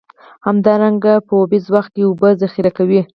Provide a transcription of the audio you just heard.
همدارنګه په اوبیز وخت کې اوبه ذخیره کوي.